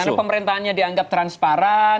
karena pemerintahnya dianggap transparan